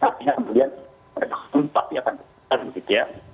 faktanya kemudian redaktor pasti akan tepat gitu ya